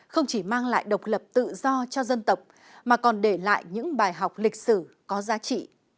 không chỉ mang lại độc lập tự do cho dân tộc mà còn để lại những bài học lịch sử có giá trị